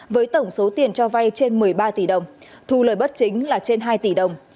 với tổng số tiền cho vay trên một mươi ba tỷ đồng thu lời bất chính là trên hai tỷ đồng